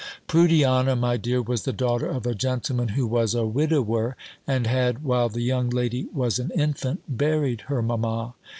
"Prudiana, my dear, was the daughter of a gentleman who was a widower, and had, while the young lady was an infant, buried her mamma.